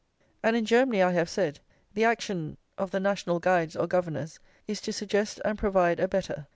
And in Germany, I have said, the action of the national guides or governors is to suggest and provide a better.